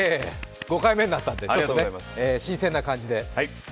５回目になったんで新鮮な感じで。